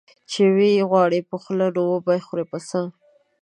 چي وې غواړې په خوله، نو وبې خورې په څه؟